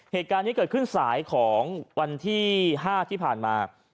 เหตุการณ์นี้เกิดขึ้นสายของวันที่๕ที่ผ่านมา